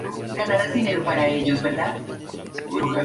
Cada uno tiene dos habilidades especiales.